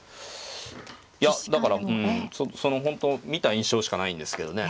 いやだからその本当見た印象しかないんですけどね。